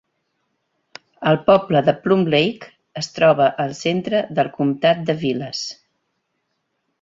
El poble de Plum Lake es troba al centre del comtat de Vilas.